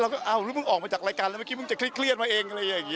แล้วเราก็ออกมาจากรายการไม่คิดว่าจะคลิดเครียดมาเอง